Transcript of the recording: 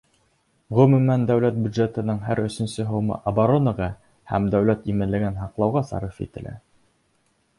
Ғөмүмән, дәүләт бюджетының һәр өсөнсө һумы оборонаға һәм дәүләт именлеген һаҡлауға сарыф ителә.